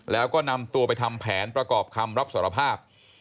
แล้วก็นำตัวไปทำแผนประกอบคำรับสารภาพ